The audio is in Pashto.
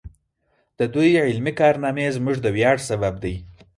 د دوی علمي کارنامې زموږ د ویاړ سبب دی.